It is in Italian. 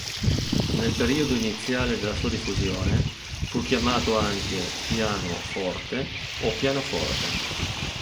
Nel periodo iniziale della sua diffusione fu chiamato anche piano-forte o pianoforte.